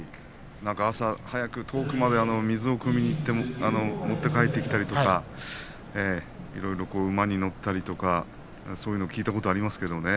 朝早く遠くまで水をくみにいって持って帰ってきたりとかいろいろ馬に乗ったりとかそういうのを聞いたことがありますけどね。